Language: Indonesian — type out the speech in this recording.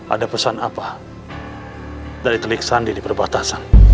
ada pesan apa dari telik sandi di perbatasan